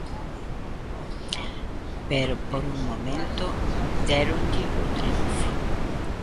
Pero por un momento déronlle o triunfo.